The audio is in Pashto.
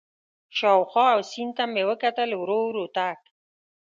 شاوخوا او سیند ته مې وکتل، ورو ورو تګ.